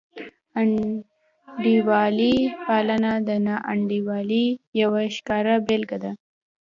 انډیوالي پالنه د ناانډولۍ یوه ښکاره بېلګه ده.